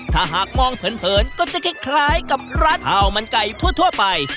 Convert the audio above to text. ถ้าหากมองเผินก็จะคล้ายกับร้านข้าวมันไก่ทั่วไป